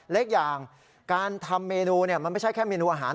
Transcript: เล็กอย่างการทำเมนูมันไม่ใช่แค่เมนูอาหาร